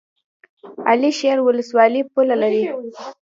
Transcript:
علي شیر ولسوالۍ پوله لري؟